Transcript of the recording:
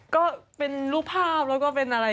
ก็เป็นรูปภาพแล้วก็เป็นอะไร